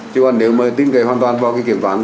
chứ còn nếu mà tin cậy hoàn toàn vào cái kiểm toán